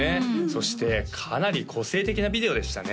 そしてかなり個性的なビデオでしたね